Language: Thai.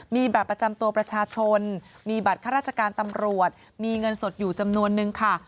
มีบัตรประจำตัวประชาชนมีบัตรข้าราชการตำรวจมีเงินสดอยู่จำนวนนึงค่ะ